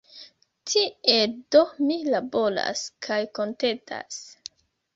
Tiel do mi laboras – kaj kontentas!